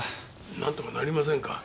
なんとかなりませんか？